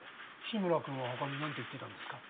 志村君は他に何て言ってたんですか？